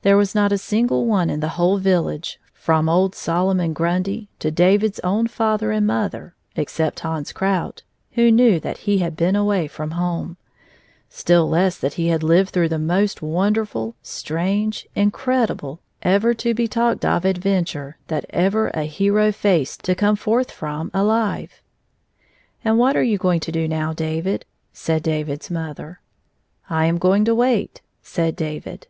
There was not a single one in the whole village, jfrom old Solomon Grundy to David's own father and mother (except Hans Krout), who knew that he had been away from home ; still less that he had lived through the most wonderful, strange, in credible, ever to be talked of adventure that ever a hero faced to come forth from alive. " And what are you going to do now, David 1" said David's mother. " I am going to wait," said David.